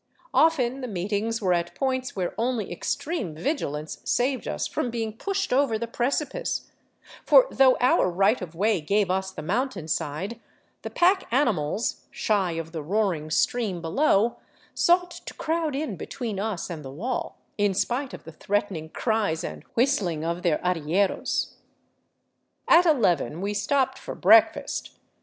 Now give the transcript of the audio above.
Often the meetings were at points where only extreme vigilance saved us from being pushed over the precipice ; for, though our right of way gave us the mountainside, the pack animals, shy of the roaring stream below, sought to crowd in between us and the wall, in spite of the threatening cries and whistling of their arrieros. At eleven we stopped for " breakfast."